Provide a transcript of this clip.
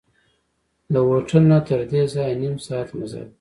له هوټل نه تردې ځایه نیم ساعت مزل و.